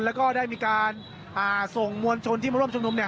แล้วก็ได้มีการส่งมวลชนที่มาร่วมชุมนุม